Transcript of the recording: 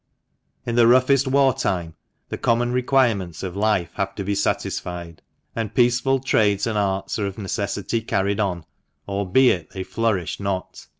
In the roughest war time the common requirements of life have to be satisfied, and peaceful trades and arts are of necessity carried on, albeit they flourish not.